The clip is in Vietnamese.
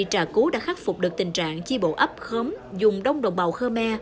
trả cứu đã khắc phục được tình trạng chi bộ ấp khớm dùng đông đồng bào khô me